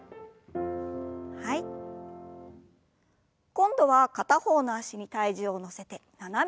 今度は片方の脚に体重を乗せて斜めに。